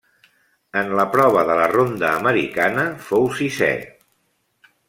En la prova de la ronda americana fou sisè.